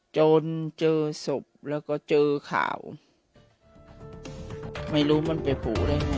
โจรเชื่อสุขแล้วก็เชื่อข่าวไม่รู้มันเป็นผู้หรือไม่